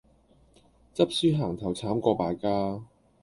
執輸行頭慘過敗家